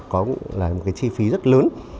có một cái chi phí rất lớn